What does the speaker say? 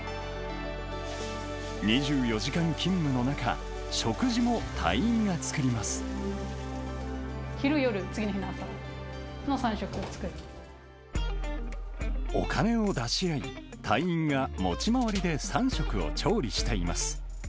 ２４時間勤務の中、昼、夜、お金を出し合い、隊員が持ち回りで３食を調理しています。